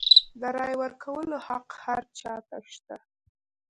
د رایې ورکولو حق هر چا ته شته.